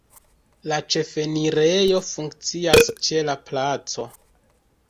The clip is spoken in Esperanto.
La ĉefenirejo funkcias ĉe la placo.